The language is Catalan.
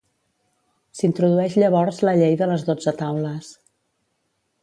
S'introdueix llavors la Llei de les Dotze Taules.